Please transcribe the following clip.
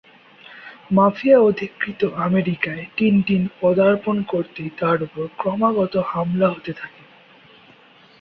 Mafia অধিকৃত আমেরিকায় Tintin পদার্পণ করতেই তার ওপর ক্রমাগত হামলা হতে থাকে।